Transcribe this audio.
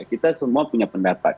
kita semua punya pendapat